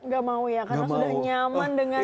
gak mau ya karena sudah nyaman dengan